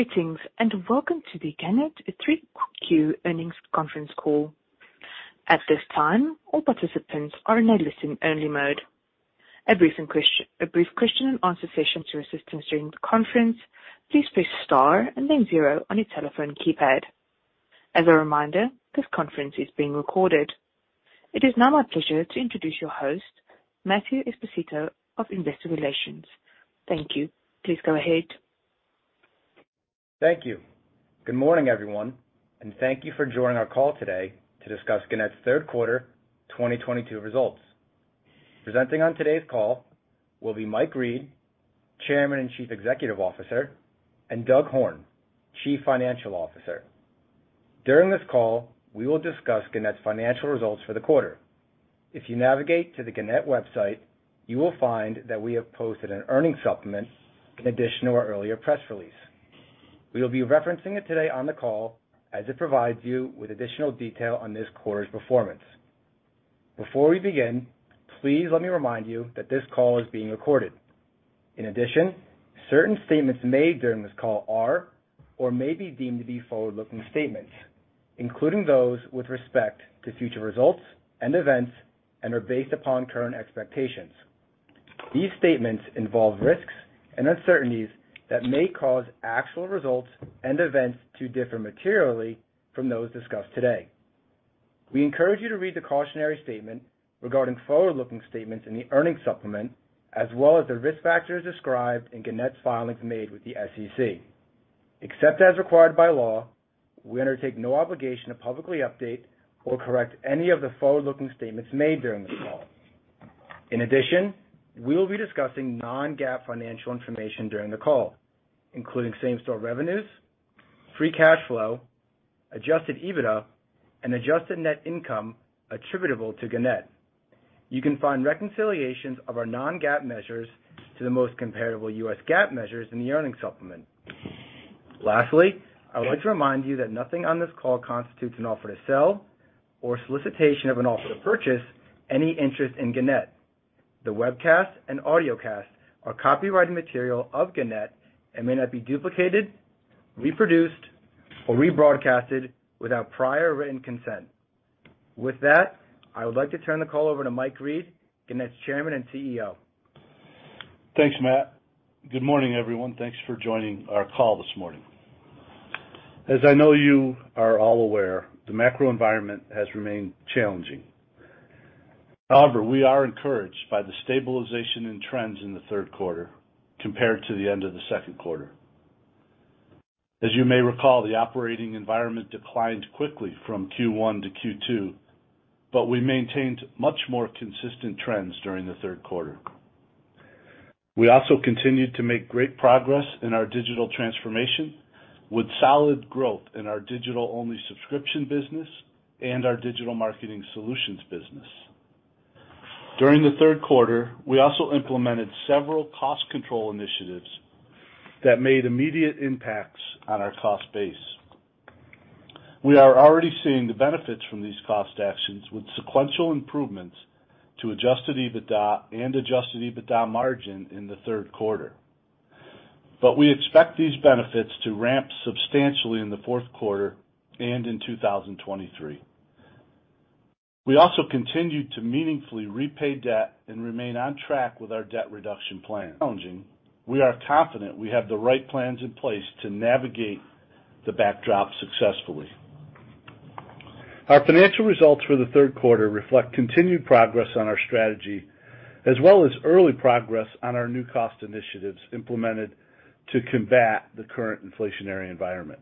Greetings, and welcome to the Gannett 3Q earnings conference call. At this time, all participants are in a listen-only mode. A brief question and answer session for assistance during the conference, please press star and then zero on your telephone keypad. As a reminder, this conference is being recorded. It is now my pleasure to introduce your host, Matthew Esposito of Investor Relations. Thank you. Please go ahead. Thank you. Good morning, everyone, and thank you for joining our call today to discuss Gannett's third quarter 2022 results. Presenting on today's call will be Mike Reed, Chairman and Chief Executive Officer, and Doug Horne, Chief Financial Officer. During this call, we will discuss Gannett's financial results for the quarter. If you navigate to the Gannett website, you will find that we have posted an earnings supplement in addition to our earlier press release. We will be referencing it today on the call as it provides you with additional detail on this quarter's performance. Before we begin, please let me remind you that this call is being recorded. In addition, certain statements made during this call are or may be deemed to be forward-looking statements, including those with respect to future results and events, and are based upon current expectations. These statements involve risks and uncertainties that may cause actual results and events to differ materially from those discussed today. We encourage you to read the cautionary statement regarding forward-looking statements in the earnings supplement, as well as the risk factors described in Gannett's filings made with the SEC. Except as required by law, we undertake no obligation to publicly update or correct any of the forward-looking statements made during this call. In addition, we will be discussing non-GAAP financial information during the call, including same-store revenues, free cash flow, adjusted EBITDA and adjusted net income attributable to Gannett. You can find reconciliations of our non-GAAP measures to the most comparable U.S. GAAP measures in the earnings supplement. Lastly, I would like to remind you that nothing on this call constitutes an offer to sell or solicitation of an offer to purchase any interest in Gannett. The webcast and audiocast are copyrighted material of Gannett and may not be duplicated, reproduced, or rebroadcast without prior written consent. With that, I would like to turn the call over to Mike Reed, Gannett's Chairman and CEO. Thanks, Matt. Good morning, everyone. Thanks for joining our call this morning. As I know you are all aware, the macro environment has remained challenging. However, we are encouraged by the stabilization in trends in the third quarter compared to the end of the second quarter. As you may recall, the operating environment declined quickly from Q1 to Q2, but we maintained much more consistent trends during the third quarter. We also continued to make great progress in our digital transformation with solid growth in our digital-only subscription business and our digital marketing solutions business. During the third quarter, we also implemented several cost control initiatives that made immediate impacts on our cost base. We are already seeing the benefits from these cost actions with sequential improvements to adjusted EBITDA and adjusted EBITDA margin in the third quarter. We expect these benefits to ramp substantially in the fourth quarter and in 2023. We also continued to meaningfully repay debt and remain on track with our debt reduction plan. Challenging, we are confident we have the right plans in place to navigate the backdrop successfully. Our financial results for the third quarter reflect continued progress on our strategy, as well as early progress on our new cost initiatives implemented to combat the current inflationary environment.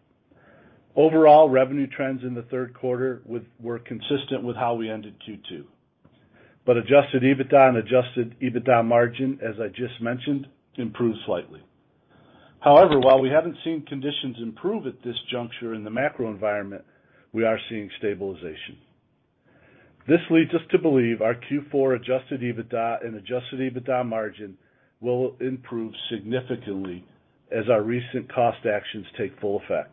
Overall, revenue trends in the third quarter were consistent with how we ended Q2. Adjusted EBITDA and adjusted EBITDA margin, as I just mentioned, improved slightly. However, while we haven't seen conditions improve at this juncture in the macro environment, we are seeing stabilization. This leads us to believe our Q4 adjusted EBITDA and adjusted EBITDA margin will improve significantly as our recent cost actions take full effect.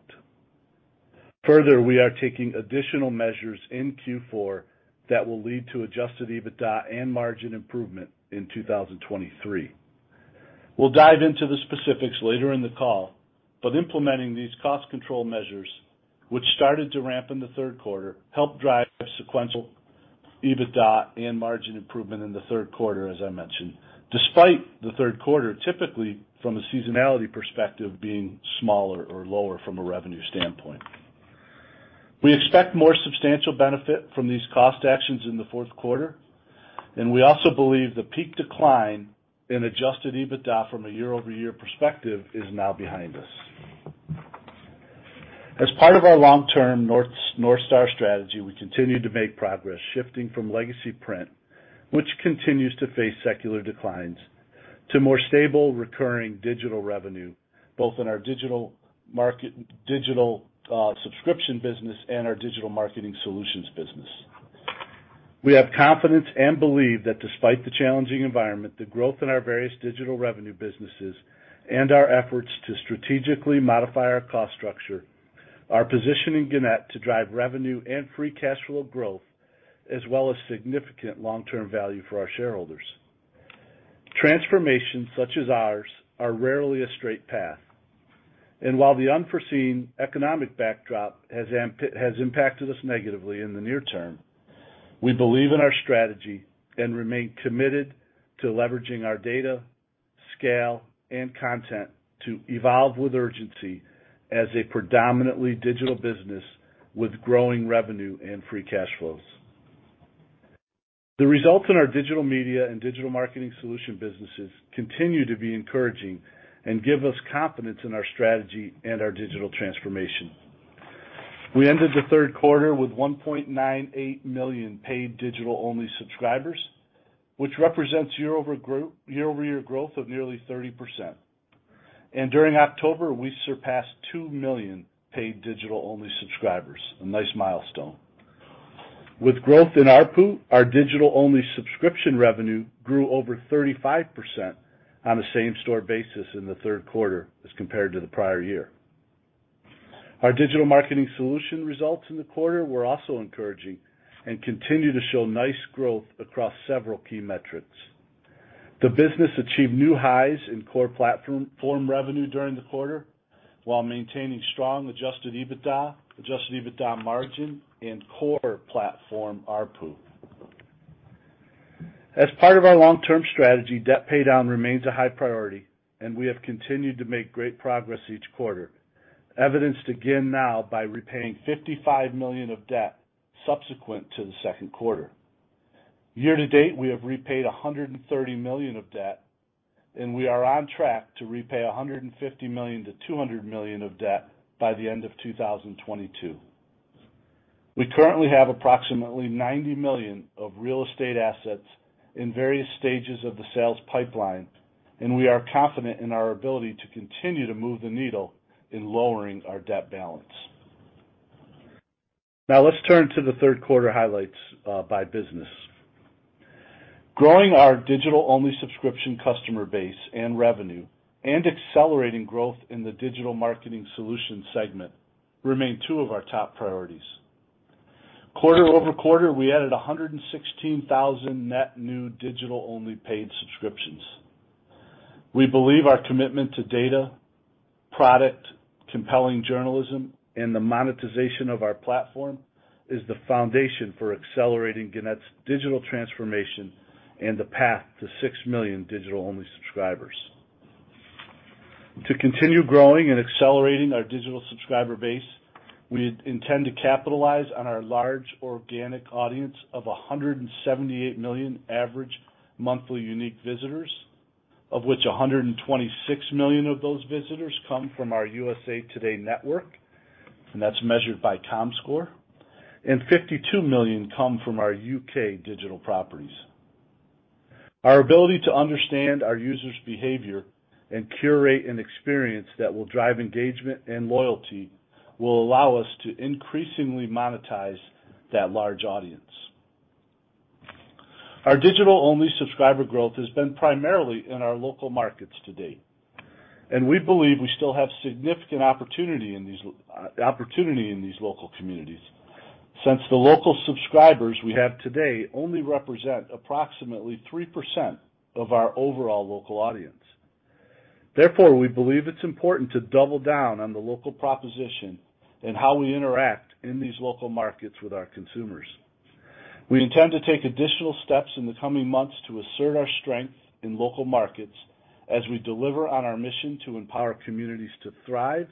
Further, we are taking additional measures in Q4 that will lead to adjusted EBITDA and margin improvement in 2023. We'll dive into the specifics later in the call, but implementing these cost control measures, which started to ramp in the third quarter, helped drive sequential EBITDA and margin improvement in the third quarter, as I mentioned, despite the third quarter, typically from a seasonality perspective, being smaller or lower from a revenue standpoint. We expect more substantial benefit from these cost actions in the fourth quarter, and we also believe the peak decline in adjusted EBITDA from a year-over-year perspective is now behind us. As part of our long-term North Star strategy, we continue to make progress shifting from legacy print, which continues to face secular declines, to more stable recurring digital revenue, both in our digital subscription business and our digital marketing solutions business. We have confidence and believe that despite the challenging environment, the growth in our various digital revenue businesses and our efforts to strategically modify our cost structure are positioning Gannett to drive revenue and free cash flow growth as well as significant long-term value for our shareholders. Transformations such as ours are rarely a straight path. While the unforeseen economic backdrop has impacted us negatively in the near term, we believe in our strategy and remain committed to leveraging our data, scale, and content to evolve with urgency as a predominantly digital business with growing revenue and free cash flows. The results in our digital media and digital marketing solution businesses continue to be encouraging and give us confidence in our strategy and our digital transformation. We ended the third quarter with 1.98 million paid digital-only subscribers, which represents year-over-year growth of nearly 30%. During October, we surpassed 2 million paid digital-only subscribers. A nice milestone. With growth in ARPU, our digital-only subscription revenue grew over 35% on a same-store basis in the third quarter as compared to the prior year. Our digital marketing solution results in the quarter were also encouraging and continue to show nice growth across several key metrics. The business achieved new highs in core platform revenue during the quarter, while maintaining strong adjusted EBITDA, adjusted EBITDA margin, and core platform ARPU. As part of our long-term strategy, debt paydown remains a high priority, and we have continued to make great progress each quarter, evidenced again now by repaying $55 million of debt subsequent to the second quarter. Year to date, we have repaid $130 million of debt, and we are on track to repay $150 million-$200 million of debt by the end of 2022. We currently have approximately $90 million of real estate assets in various stages of the sales pipeline, and we are confident in our ability to continue to move the needle in lowering our debt balance. Now let's turn to the third quarter highlights, by business. Growing our digital-only subscription customer base and revenue and accelerating growth in the digital marketing solution segment remain two of our top priorities. Quarter over quarter, we added 116,000 net new digital-only paid subscriptions. We believe our commitment to data, product, compelling journalism, and the monetization of our platform is the foundation for accelerating Gannett's digital transformation and the path to 6 million digital-only subscribers. To continue growing and accelerating our digital subscriber base, we intend to capitalize on our large organic audience of 178 million average monthly unique visitors, of which 126 million of those visitors come from our USA TODAY Network, and that's measured by Comscore, and 52 million come from our U.K. digital properties. Our ability to understand our users' behavior and curate an experience that will drive engagement and loyalty will allow us to increasingly monetize that large audience. Our digital-only subscriber growth has been primarily in our local markets to date, and we believe we still have significant opportunity in these local communities since the local subscribers we have today only represent approximately 3% of our overall local audience. Therefore, we believe it's important to double down on the local proposition and how we interact in these local markets with our consumers. We intend to take additional steps in the coming months to assert our strength in local markets as we deliver on our mission to empower communities to thrive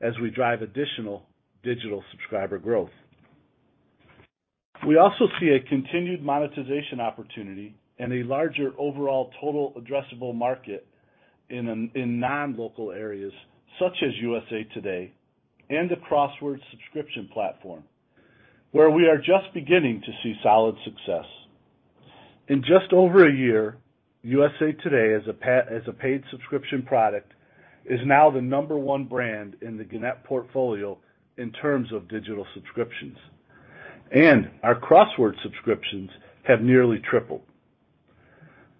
as we drive additional digital subscriber growth. We also see a continued monetization opportunity and a larger overall total addressable market in non-local areas such as USA TODAY and the Crossword subscription platform, where we are just beginning to see solid success. In just over a year, USA TODAY as a paid subscription product is now the number one brand in the Gannett portfolio in terms of digital subscriptions, and our Crossword subscriptions have nearly tripled.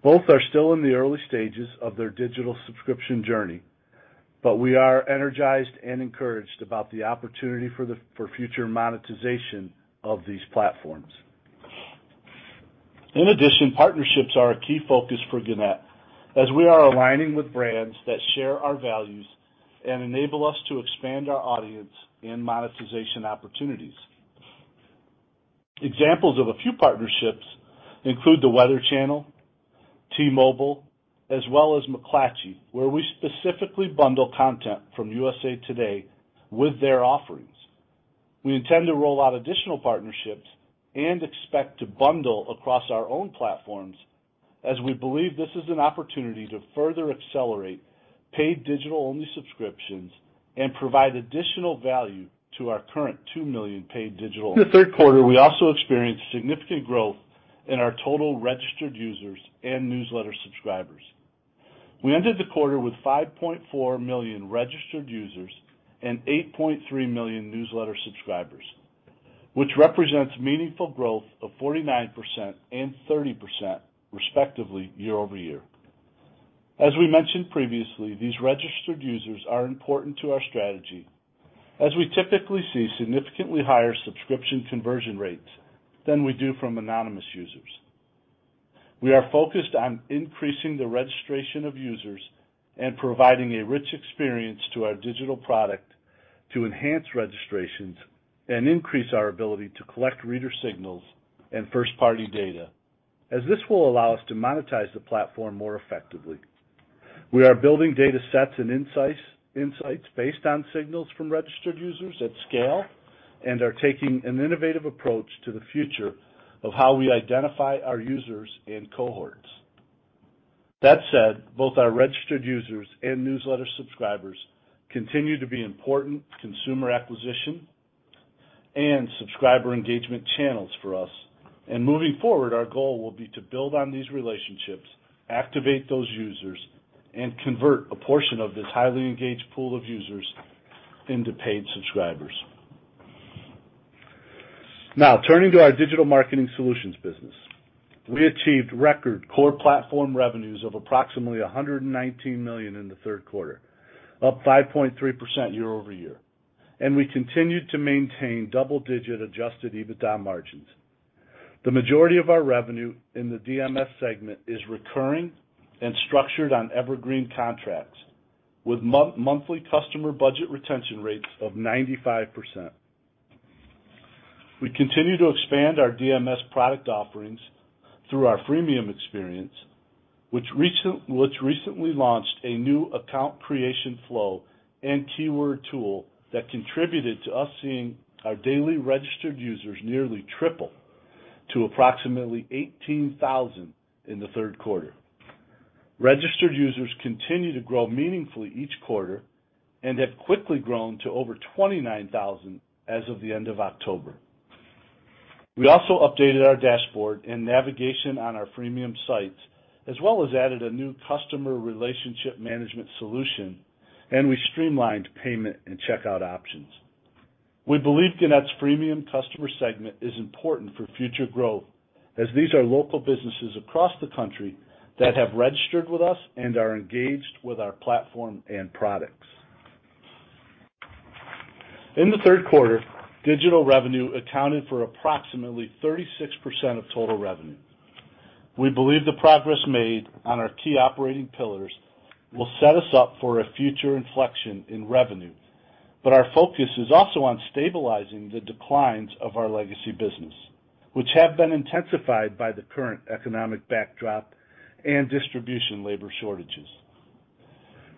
Both are still in the early stages of their digital subscription journey, but we are energized and encouraged about the opportunity for future monetization of these platforms. In addition, partnerships are a key focus for Gannett as we are aligning with brands that share our values and enable us to expand our audience and monetization opportunities. Examples of a few partnerships include The Weather Channel, T-Mobile, as well as McClatchy, where we specifically bundle content from USA TODAY with their offerings. We intend to roll out additional partnerships and expect to bundle across our own platforms as we believe this is an opportunity to further accelerate paid digital-only subscriptions and provide additional value to our current 2 million paid digital. In the third quarter, we also experienced significant growth in our total registered users and newsletter subscribers. We ended the quarter with 5.4 million registered users and 8.3 million newsletter subscribers, which represents meaningful growth of 49% and 30% respectively year-over-year. As we mentioned previously, these registered users are important to our strategy as we typically see significantly higher subscription conversion rates than we do from anonymous users. We are focused on increasing the registration of users and providing a rich experience to our digital product to enhance registrations and increase our ability to collect reader signals and first-party data, as this will allow us to monetize the platform more effectively. We are building data sets and insights based on signals from registered users at scale, and are taking an innovative approach to the future of how we identify our users and cohorts. That said, both our registered users and newsletter subscribers continue to be important consumer acquisition and subscriber engagement channels for us. Moving forward, our goal will be to build on these relationships, activate those users, and convert a portion of this highly engaged pool of users into paid subscribers. Now turning to our digital marketing solutions business. We achieved record core platform revenues of approximately $119 million in the third quarter, up 5.3% year-over-year, and we continued to maintain double-digit adjusted EBITDA margins. The majority of our revenue in the DMS segment is recurring and structured on evergreen contracts with monthly customer budget retention rates of 95%. We continue to expand our DMS product offerings through our freemium experience, which recently launched a new account creation flow and keyword tool that contributed to us seeing our daily registered users nearly triple to approximately 18,000 in the third quarter. Registered users continue to grow meaningfully each quarter and have quickly grown to over 29,000 as of the end of October. We also updated our dashboard and navigation on our freemium sites, as well as added a new customer relationship management solution, and we streamlined payment and checkout options. We believe Gannett's freemium customer segment is important for future growth as these are local businesses across the country that have registered with us and are engaged with our platform and products. In the third quarter, digital revenue accounted for approximately 36% of total revenue. We believe the progress made on our key operating pillars will set us up for a future inflection in revenue. Our focus is also on stabilizing the declines of our legacy business, which have been intensified by the current economic backdrop and distribution labor shortages.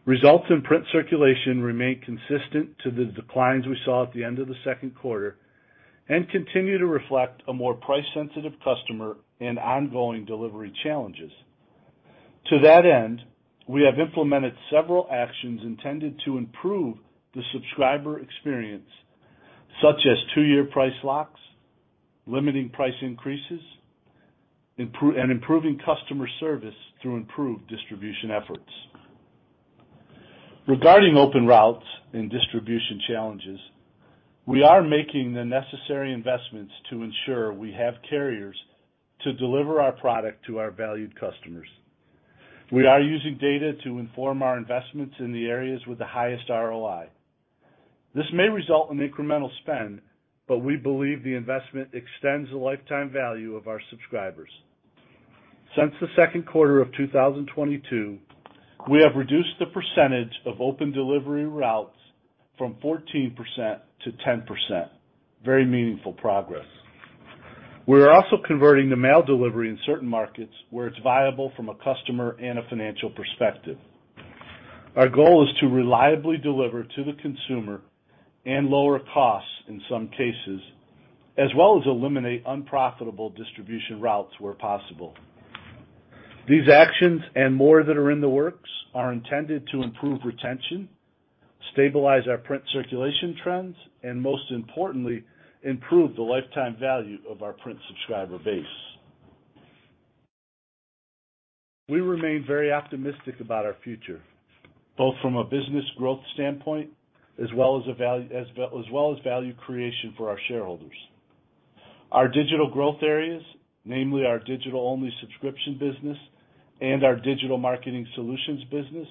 Results in print circulation remain consistent to the declines we saw at the end of the second quarter and continue to reflect a more price-sensitive customer and ongoing delivery challenges. To that end, we have implemented several actions intended to improve the subscriber experience, such as two-year price locks, limiting price increases, and improving customer service through improved distribution efforts. Regarding open routes and distribution challenges, we are making the necessary investments to ensure we have carriers to deliver our product to our valued customers. We are using data to inform our investments in the areas with the highest ROI. This may result in incremental spend, but we believe the investment extends the lifetime value of our subscribers. Since the second quarter of 2022, we have reduced the percentage of open delivery routes from 14% to 10%. Very meaningful progress. We are also converting to mail delivery in certain markets where it's viable from a customer and a financial perspective. Our goal is to reliably deliver to the consumer and lower costs in some cases, as well as eliminate unprofitable distribution routes where possible. These actions and more that are in the works are intended to improve retention, stabilize our print circulation trends, and most importantly, improve the lifetime value of our print subscriber base. We remain very optimistic about our future, both from a business growth standpoint as well as value creation for our shareholders. Our digital growth areas, namely our digital-only subscription business and our digital marketing solutions business,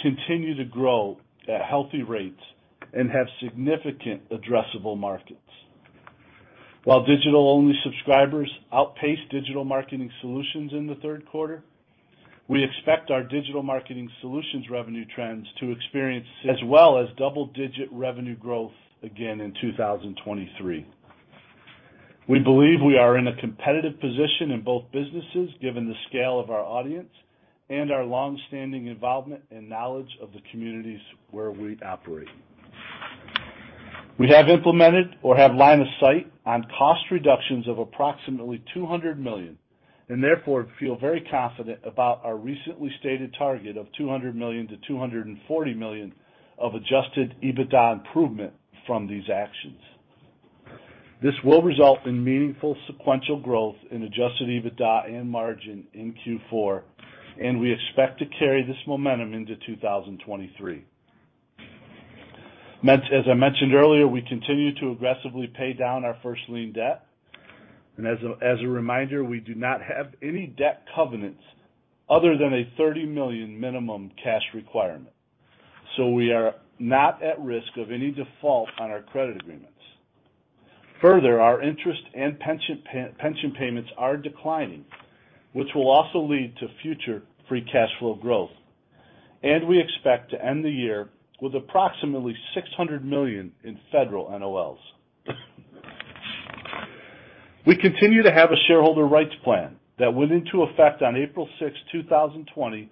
continue to grow at healthy rates and have significant addressable markets. While digital-only subscribers outpaced digital marketing solutions in the third quarter, we expect our digital marketing solutions revenue trends to experience double-digit revenue growth again in 2023. We believe we are in a competitive position in both businesses given the scale of our audience and our long-standing involvement and knowledge of the communities where we operate. We have implemented or have line of sight on cost reductions of approximately $200 million, and therefore feel very confident about our recently stated target of $200 million-$240 million of adjusted EBITDA improvement from these actions. This will result in meaningful sequential growth in adjusted EBITDA and margin in Q4, and we expect to carry this momentum into 2023. As I mentioned earlier, we continue to aggressively pay down our first lien debt. As a reminder, we do not have any debt covenants other than a $30 million minimum cash requirement. We are not at risk of any default on our credit agreements. Further, our interest and pension payments are declining, which will also lead to future free cash flow growth. We expect to end the year with approximately $600 million in federal NOLs. We continue to have a shareholder rights plan that went into effect on April 6th, 2020,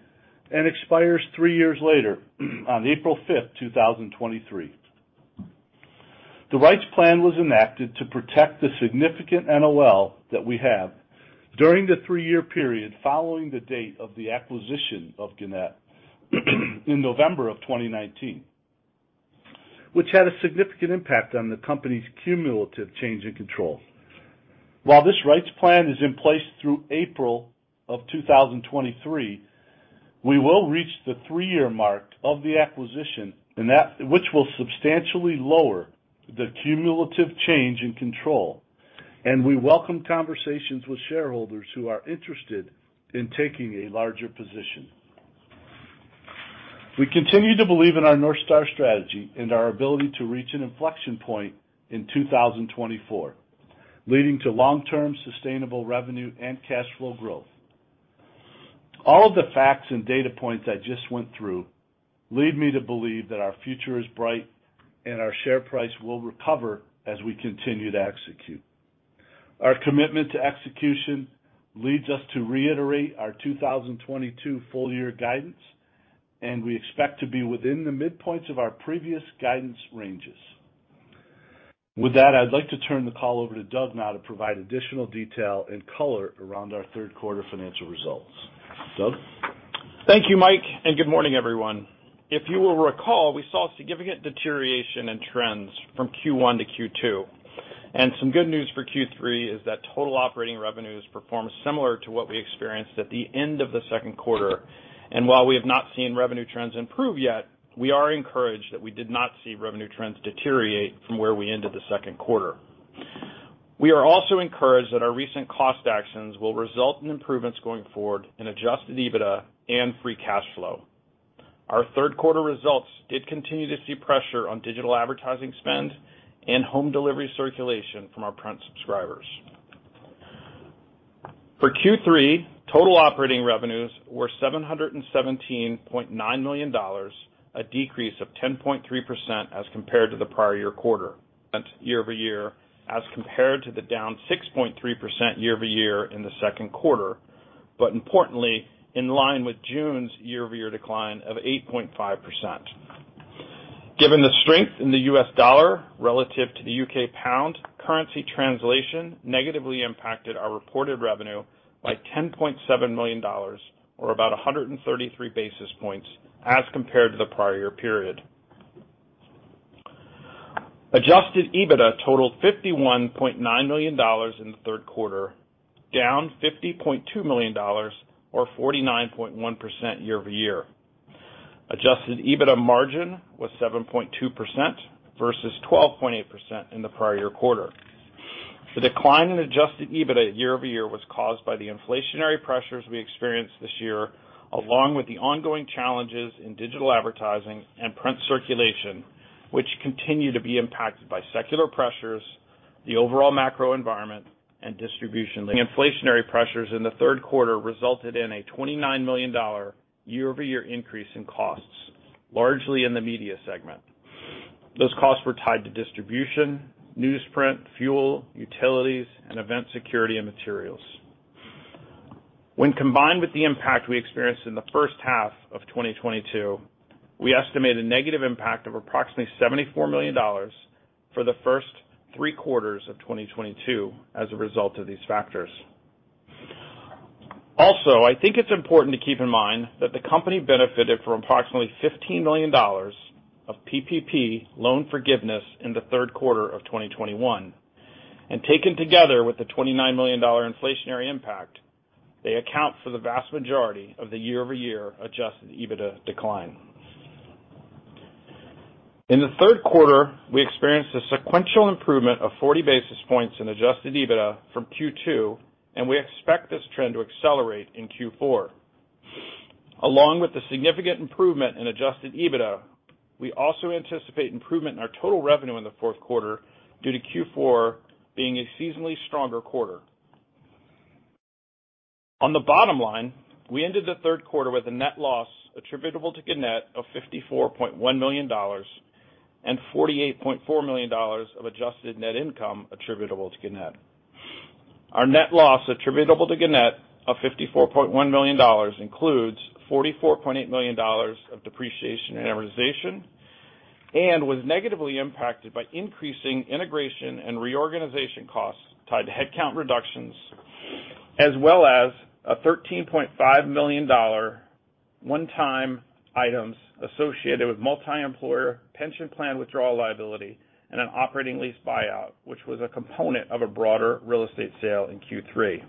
and expires three years later on April 5th, 2023. The rights plan was enacted to protect the significant NOL that we have during the three-year period following the date of the acquisition of Gannett in November of 2019, which had a significant impact on the company's cumulative change in control. While this rights plan is in place through April of 2023, we will reach the three-year mark of the acquisition which will substantially lower the cumulative change in control, and we welcome conversations with shareholders who are interested in taking a larger position. We continue to believe in our North Star strategy and our ability to reach an inflection point in 2024, leading to long-term sustainable revenue and cash flow growth. All of the facts and data points I just went through lead me to believe that our future is bright and our share price will recover as we continue to execute. Our commitment to execution leads us to reiterate our 2022 full year guidance, and we expect to be within the midpoints of our previous guidance ranges. With that, I'd like to turn the call over to Douglas Horne now to provide additional detail and color around our third quarter financial results. Doug? Thank you, Mike, and good morning, everyone. If you will recall, we saw significant deterioration in trends from Q1 to Q2. Some good news for Q3 is that total operating revenues performed similar to what we experienced at the end of the second quarter. While we have not seen revenue trends improve yet, we are encouraged that we did not see revenue trends deteriorate from where we ended the second quarter. We are also encouraged that our recent cost actions will result in improvements going forward in adjusted EBITDA and free cash flow. Our third quarter results did continue to see pressure on digital advertising spend and home delivery circulation from our print subscribers. For Q3, total operating revenues were $717.9 million, a decrease of 10.3% as compared to the prior year quarter. Year-over-year, as compared to the down 6.3% year-over-year in the second quarter, but importantly, in line with June's year-over-year decline of 8.5%. Given the strength in the US dollar relative to the UK pound, currency translation negatively impacted our reported revenue by $10.7 million or about 133 basis points as compared to the prior period. adjusted EBITDA totaled $51.9 million in the third quarter, down $50.2 million or 49.1% year-over-year. adjusted EBITDA margin was 7.2% versus 12.8% in the prior year quarter. The decline in adjusted EBITDA year-over-year was caused by the inflationary pressures we experienced this year, along with the ongoing challenges in digital advertising and print circulation, which continue to be impacted by secular pressures, the overall macro environment, and distribution. The inflationary pressures in the third quarter resulted in a $29 million year-over-year increase in costs, largely in the media segment. Those costs were tied to distribution, newsprint, fuel, utilities, and event security and materials. When combined with the impact we experienced in the first half of 2022, we estimate a negative impact of approximately $74 million for the first three quarters of 2022 as a result of these factors. Also, I think it's important to keep in mind that the company benefited from approximately $15 million of PPP loan forgiveness in the third quarter of 2021, and taken together with the $29 million dollar inflationary impact, they account for the vast majority of the year-over-year adjusted EBITDA decline. In the third quarter, we experienced a sequential improvement of 40 basis points in adjusted EBITDA from Q2, and we expect this trend to accelerate in Q4. Along with the significant improvement in adjusted EBITDA, we also anticipate improvement in our total revenue in the fourth quarter due to Q4 being a seasonally stronger quarter. On the bottom line, we ended the third quarter with a net loss attributable to Gannett of $54.1 million and $48.4 million of adjusted net income attributable to Gannett. Our net loss attributable to Gannett of $54.1 million includes $44.8 million of depreciation and amortization and was negatively impacted by increasing integration and reorganization costs tied to headcount reductions, as well as a $13.5 million one-time items associated with multi-employer pension plan withdrawal liability and an operating lease buyout, which was a component of a broader real estate sale in Q3.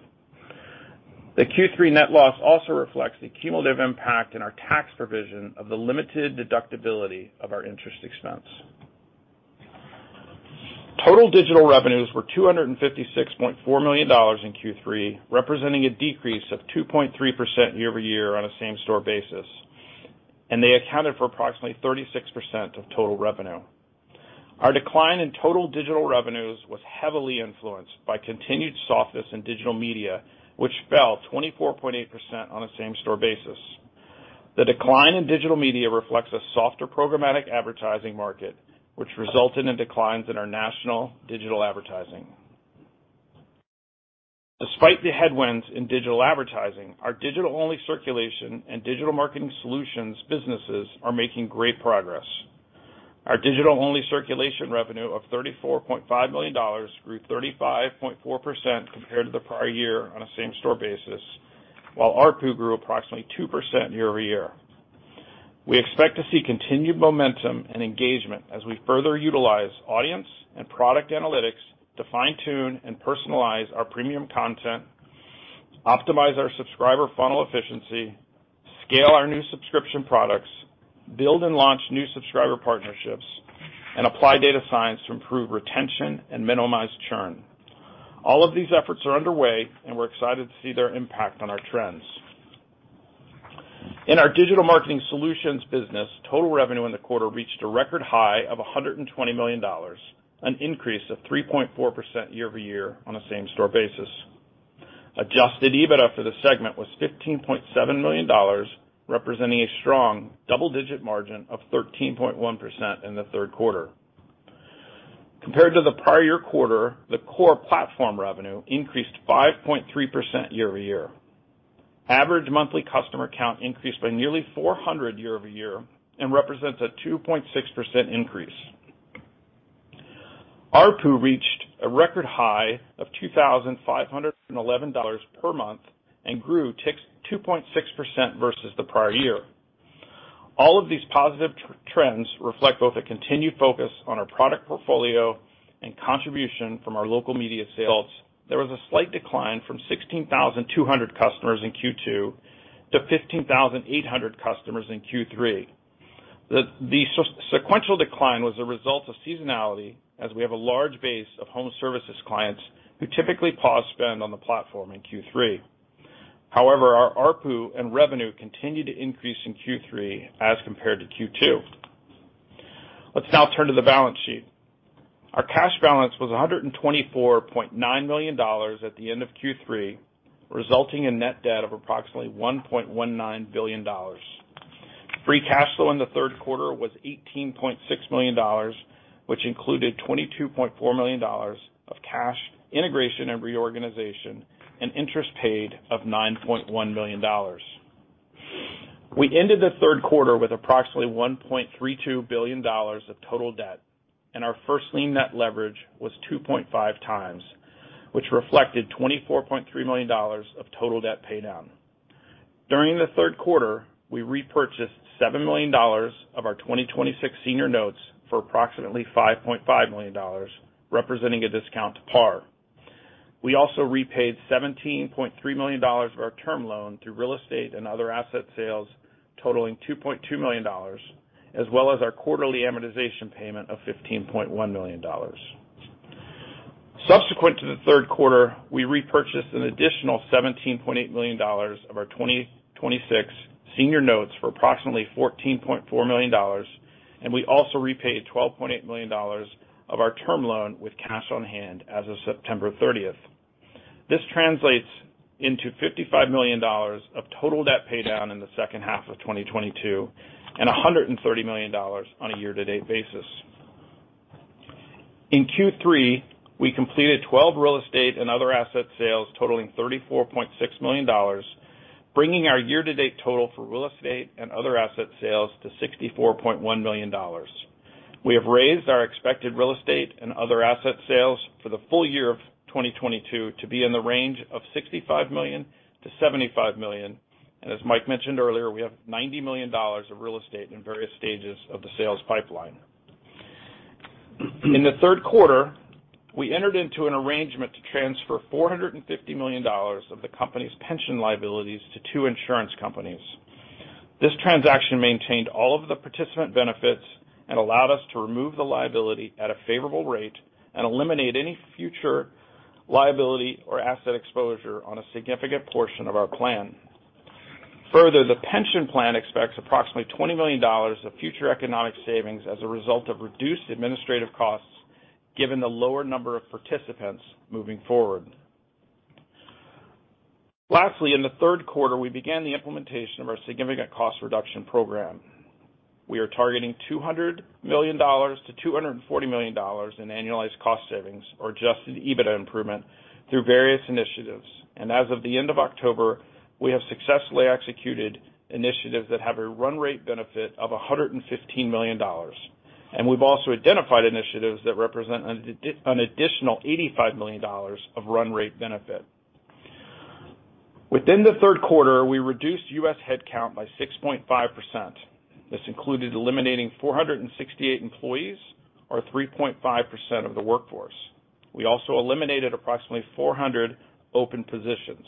The Q3 net loss also reflects the cumulative impact in our tax provision of the limited deductibility of our interest expense. Total digital revenues were $256.4 million in Q3, representing a decrease of 2.3% year-over-year on a same-store basis, and they accounted for approximately 36% of total revenue. Our decline in total digital revenues was heavily influenced by continued softness in digital media, which fell 24.8% on a same-store basis. The decline in digital media reflects a softer programmatic advertising market, which resulted in declines in our national digital advertising. Despite the headwinds in digital advertising, our digital-only circulation and digital marketing solutions businesses are making great progress. Our digital-only circulation revenue of $34.5 million grew 35.4% compared to the prior year on a same-store basis, while ARPU grew approximately 2% year-over-year. We expect to see continued momentum and engagement as we further utilize audience and product analytics to fine-tune and personalize our premium content, optimize our subscriber funnel efficiency, scale our new subscription products, build and launch new subscriber partnerships, and apply data science to improve retention and minimize churn. All of these efforts are underway, and we're excited to see their impact on our trends. In our digital marketing solutions business, total revenue in the quarter reached a record high of $120 million, an increase of 3.4% year-over-year on a same-store basis. Adjusted EBITDA for the segment was $15.7 million, representing a strong double-digit margin of 13.1% in the third quarter. Compared to the prior year quarter, the core platform revenue increased 5.3% year-over-year. Average monthly customer count increased by nearly 400 year-over-year and represents a 2.6% increase. ARPU reached a record high of $2,511 per month and grew 2.6% versus the prior year. All of these positive trends reflect both a continued focus on our product portfolio and contribution from our local media sales. There was a slight decline from 16,200 customers in Q2 to 15,800 customers in Q3. The sequential decline was a result of seasonality, as we have a large base of home services clients who typically pause spend on the platform in Q3. However, our ARPU and revenue continued to increase in Q3 as compared to Q2. Let's now turn to the balance sheet. Our cash balance was $124.9 million at the end of Q3, resulting in net debt of approximately $1.19 billion. Free cash flow in the third quarter was $18.6 million, which included $22.4 million of cash integration and reorganization, and interest paid of $9.1 million. We ended the third quarter with approximately $1.32 billion of total debt, and our First Lien Net Leverage was 2.5x, which reflected $24.3 million of total debt paydown. During the third quarter, we repurchased $7 million of our 2026 Senior Notes for approximately $5.5 million, representing a discount to par. We also repaid $17.3 million of our term loan through real estate and other asset sales totaling $2.2 million, as well as our quarterly amortization payment of $15.1 million. Subsequent to the third quarter, we repurchased an additional $17.8 million of our 2026 senior notes for approximately $14.4 million, and we also repaid $12.8 million of our term loan with cash on hand as of September 30. This translates into $55 million of total debt paydown in the second half of 2022 and $130 million on a year-to-date basis. In Q3, we completed 12 real estate and other asset sales totaling $34.6 million, bringing our year-to-date total for real estate and other asset sales to $64.1 million. We have raised our expected real estate and other asset sales for the full year of 2022 to be in the range of $65 million-$75 million. As Mike mentioned earlier, we have $90 million of real estate in various stages of the sales pipeline. In the third quarter, we entered into an arrangement to transfer $450 million of the company's pension liabilities to two insurance companies. This transaction maintained all of the participant benefits and allowed us to remove the liability at a favorable rate and eliminate any future liability or asset exposure on a significant portion of our plan. Further, the pension plan expects approximately $20 million of future economic savings as a result of reduced administrative costs, given the lower number of participants moving forward. Lastly, in the third quarter, we began the implementation of our significant cost reduction program. We are targeting $200 million-$240 million in annualized cost savings or adjusted EBITDA improvement through various initiatives. As of the end of October, we have successfully executed initiatives that have a run rate benefit of $115 million. We've also identified initiatives that represent an additional $85 million of run rate benefit. Within the third quarter, we reduced U.S. headcount by 6.5%. This included eliminating 468 employees, or 3.5% of the workforce. We also eliminated approximately 400 open positions.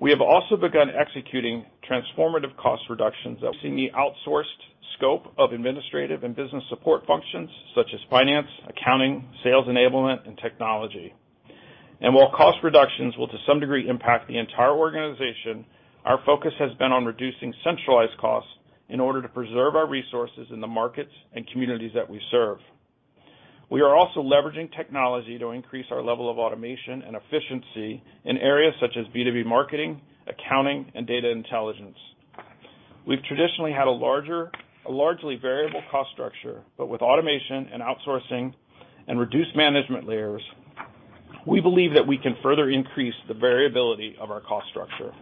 We have also begun executing transformative cost reductions that we see in the outsourced scope of administrative and business support functions such as finance, accounting, sales enablement, and technology. While cost reductions will to some degree impact the entire organization, our focus has been on reducing centralized costs in order to preserve our resources in the markets and communities that we serve. We are also leveraging technology to increase our level of automation and efficiency in areas such as B2B marketing, accounting, and data intelligence. We've traditionally had a largely variable cost structure, but with automation and outsourcing and reduced management layers, we believe that we can further increase the variability of our cost structure.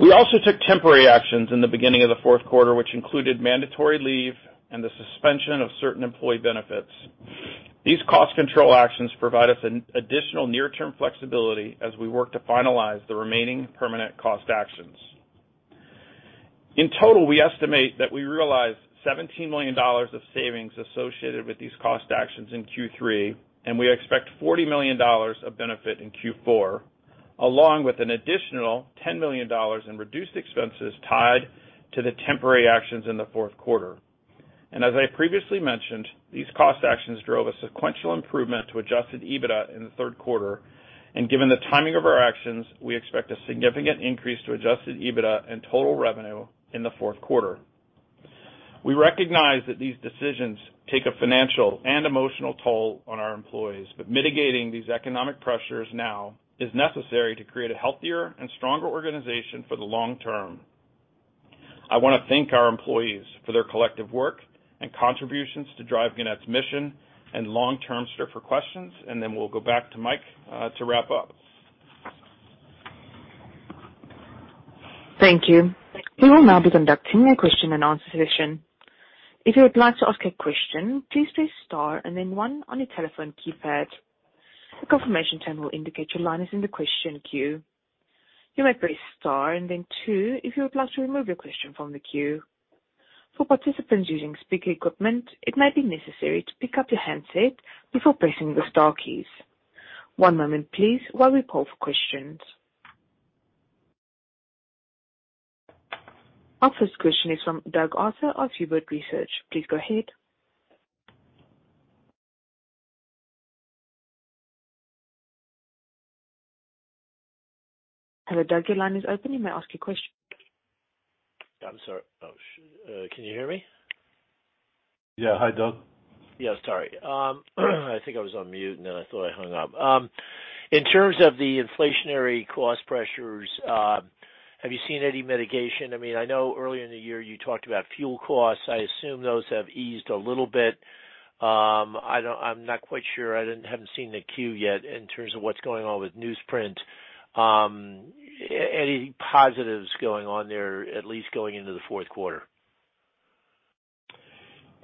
We also took temporary actions in the beginning of the fourth quarter, which included mandatory leave and the suspension of certain employee benefits. These cost control actions provide us an additional near-term flexibility as we work to finalize the remaining permanent cost actions. In total, we estimate that we realize $17 million of savings associated with these cost actions in Q3, and we expect $40 million of benefit in Q4, along with an additional $10 million in reduced expenses tied to the temporary actions in the fourth quarter. As I previously mentioned, these cost actions drove a sequential improvement to adjusted EBITDA in the third quarter. Given the timing of our actions, we expect a significant increase to adjusted EBITDA and total revenue in the fourth quarter. We recognize that these decisions take a financial and emotional toll on our employees, but mitigating these economic pressures now is necessary to create a healthier and stronger organization for the long term. I wanna thank our employees for their collective work and contributions to drive Gannett's mission and long-term. Open for questions, and then we'll go back to Mike to wrap up. Thank you. We will now be conducting a question and answer session. If you would like to ask a question, please press star and then one on your telephone keypad. A confirmation tone will indicate your line is in the question queue. You may press star and then two if you would like to remove your question from the queue. For participants using speaker equipment, it might be necessary to pick up your handset before pressing the star keys. One moment please while we poll for questions. Our first question is from Doug Arthur of Huber Research Partners. Please go ahead. Hello, Doug, your line is open. You may ask your question. I'm sorry. Oh, shit, can you hear me? Yeah. Hi, Doug. Yeah, sorry. I think I was on mute, and then I thought I hung up. In terms of the inflationary cost pressures, have you seen any mitigation? I mean, I know earlier in the year you talked about fuel costs. I assume those have eased a little bit. I'm not quite sure. I haven't seen the Q yet in terms of what's going on with newsprint. Any positives going on there, at least going into the fourth quarter?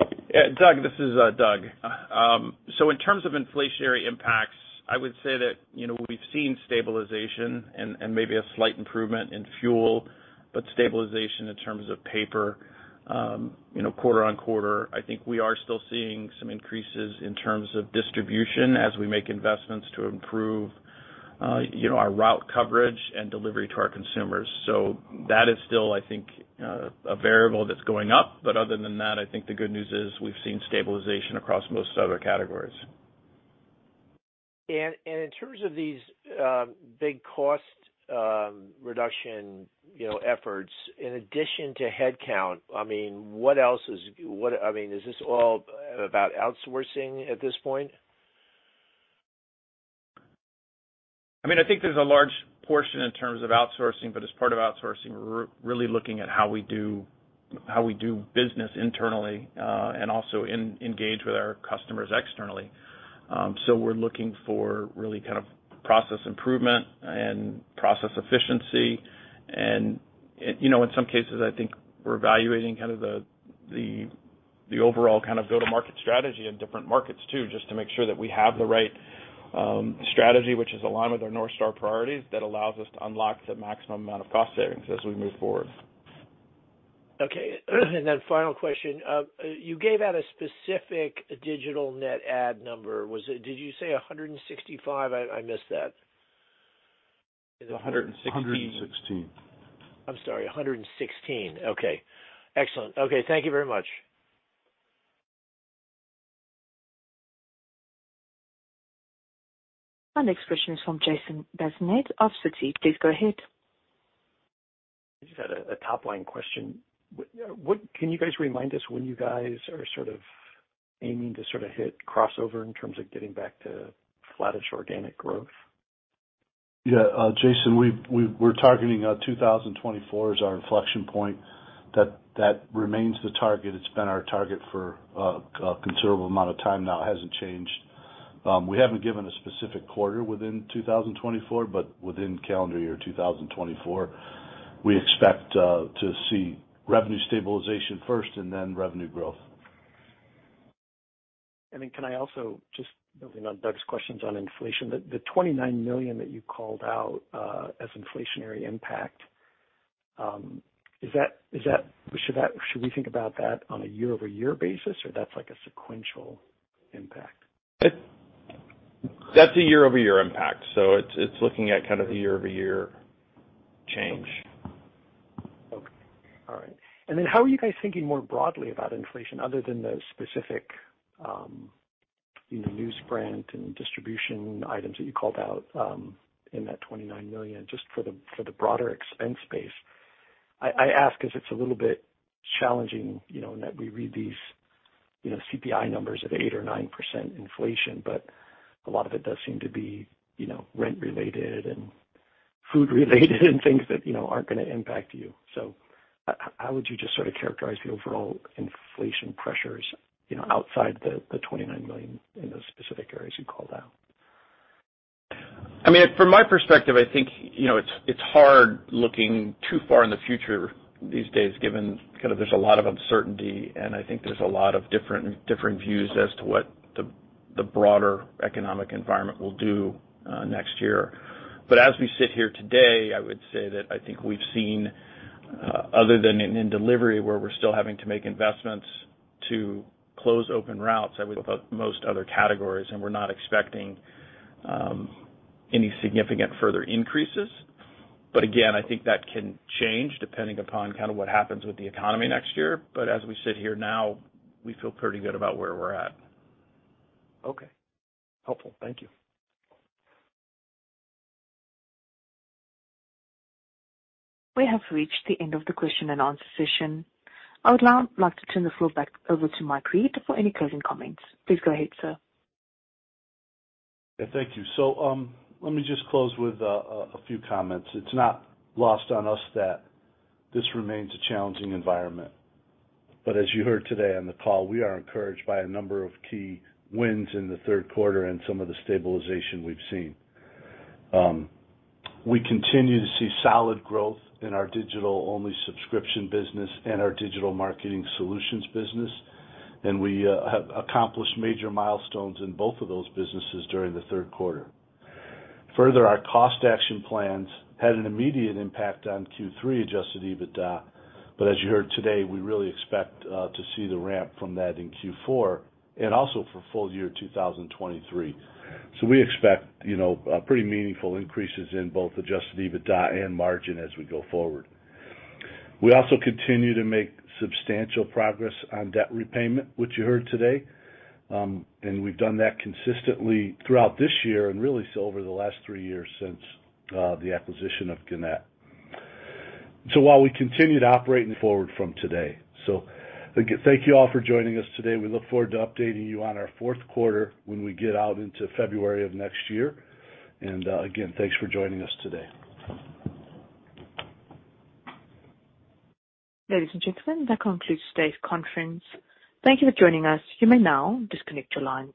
Yeah, Doug, this is Doug. So in terms of inflationary impacts, I would say that, you know, we've seen stabilization and maybe a slight improvement in fuel, but stabilization in terms of paper, you know, quarter-over-quarter. I think we are still seeing some increases in terms of distribution as we make investments to improve, you know, our route coverage and delivery to our consumers. That is still, I think, a variable that's going up. Other than that, I think the good news is we've seen stabilization across most other categories. In terms of these big cost reduction, you know, efforts, in addition to headcount, I mean, what else is. I mean, is this all about outsourcing at this point? I mean, I think there's a large portion in terms of outsourcing, but as part of outsourcing, we're really looking at how we do business internally, and also engage with our customers externally. We're looking for really kind of process improvement and process efficiency. You know, in some cases, I think we're evaluating kind of the overall kind of go-to-market strategy in different markets too, just to make sure that we have the right strategy, which is aligned with our North Star priorities, that allows us to unlock the maximum amount of cost savings as we move forward. Okay. Final question. You gave out a specific digital net ad number. Was it? Did you say 165? I missed that. 116. I'm sorry, 116. Okay, excellent. Okay, thank you very much. Our next question is from Jason Bazinet of Citi. Please go ahead. Just had a top line question. Can you guys remind us when you guys are sort of aiming to sort of hit crossover in terms of getting back to flattish organic growth? Jason, we're targeting 2024 as our inflection point. That remains the target. It's been our target for a considerable amount of time now. It hasn't changed. We haven't given a specific quarter within 2024, but within calendar year 2024, we expect to see revenue stabilization first and then revenue growth. Can I also just building on Doug's questions on inflation, the $29 million that you called out as inflationary impact, is that? Should we think about that on a year-over-year basis or that's like a sequential impact? That's a year-over-year impact, so it's looking at kind of the year-over-year change. Okay. All right. How are you guys thinking more broadly about inflation other than the specific, you know, newsprint and distribution items that you called out, in that $29 million just for the broader expense base? I ask because it's a little bit challenging, you know, in that we read these, you know, CPI numbers of 8% or 9% inflation, but a lot of it does seem to be, you know, rent related and food related and things that, you know, aren't gonna impact you. How would you just sort of characterize the overall inflation pressures, you know, outside the $29 million in those specific areas you called out? I mean, from my perspective, I think, you know, it's hard looking too far in the future these days, given kind of there's a lot of uncertainty, and I think there's a lot of different views as to what the broader economic environment will do next year. As we sit here today, I would say that I think we've seen other than in delivery where we're still having to make investments to close open routes with most other categories, and we're not expecting any significant further increases. Again, I think that can change depending upon kind of what happens with the economy next year. As we sit here now, we feel pretty good about where we're at. Okay. Helpful. Thank you. We have reached the end of the question and answer session. I would now like to turn the floor back over to Mike Reed for any closing comments. Please go ahead, sir. Yeah. Thank you. Let me just close with a few comments. It's not lost on us that this remains a challenging environment. But as you heard today on the call, we are encouraged by a number of key wins in the third quarter and some of the stabilization we've seen. We continue to see solid growth in our digital-only subscription business and our digital marketing solutions business, and we have accomplished major milestones in both of those businesses during the third quarter. Further, our cost action plans had an immediate impact on Q3 adjusted EBITDA, but as you heard today, we really expect to see the ramp from that in Q4 and also for full year 2023. We expect, you know, pretty meaningful increases in both adjusted EBITDA and margin as we go forward. We also continue to make substantial progress on debt repayment, which you heard today, and we've done that consistently throughout this year and really so over the last three years since the acquisition of Gannett. While we continue to operate forward from today. Thank you all for joining us today. We look forward to updating you on our fourth quarter when we get out into February of next year. again, thanks for joining us today. Ladies and gentlemen, that concludes today's conference. Thank you for joining us. You may now disconnect your lines.